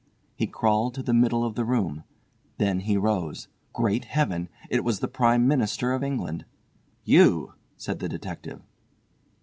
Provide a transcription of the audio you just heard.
He crawled to the middle of the room. Then he rose. Great Heaven! It was the Prime Minister of England. "You!" said the detective.